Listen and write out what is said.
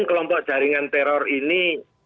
kelompok jaringan teror ini